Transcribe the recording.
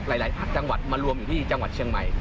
หลายจังหวัดมารวมอยู่ที่จังหวัดเชียงใหม่